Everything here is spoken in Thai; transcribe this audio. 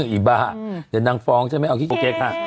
ไอ้บ้าเดี๋ยวนั่งฟ้องใช่ไหมเอาคิดโปรเก็ตค่ะ